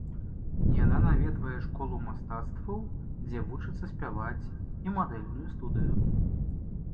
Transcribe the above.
Яна наведвае школу мастацтваў, дзе вучыцца спяваць, і мадэльную студыю.